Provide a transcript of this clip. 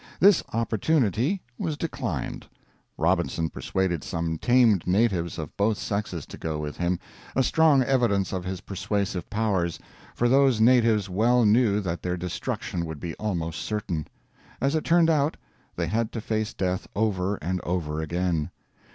This opportunity was declined. Robinson persuaded some tamed natives of both sexes to go with him a strong evidence of his persuasive powers, for those natives well knew that their destruction would be almost certain. As it turned out, they had to face death over and over again.